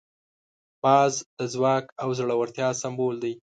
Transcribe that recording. باز د ځواک او زړورتیا سمبول دی